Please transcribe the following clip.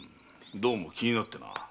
どうも気になってな。